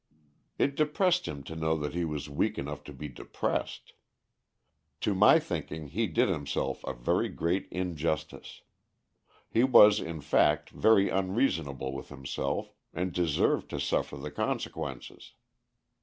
It depressed him to know that he was weak enough to be depressed. To my thinking he did himself very great injustice. He was, in fact, very unreasonable with himself, and deserved to suffer the consequences.